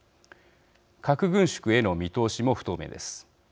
核軍縮への見通しも不透明です。